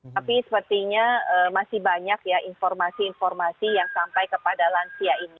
tapi sepertinya masih banyak ya informasi informasi yang sampai kepada lansia ini